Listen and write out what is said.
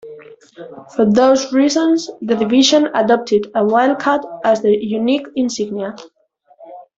For those reasons, the division adopted a wildcat as their unique insignia.